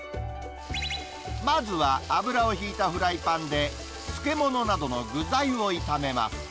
まずは油を引いたフライパンで、漬物などの具材を炒めます。